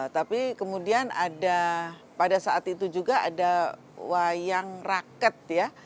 tapi kemudian ada pada saat itu juga ada wayang raket ya